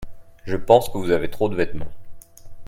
Je pense que vous avez trop de vêtements.